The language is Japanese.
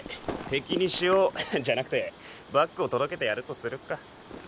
敵に塩じゃなくてバッグを届けてやるとするか。